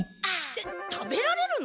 た食べられるの？